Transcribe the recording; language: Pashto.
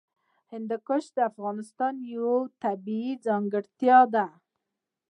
هندوکش د افغانستان یوه طبیعي ځانګړتیا ده.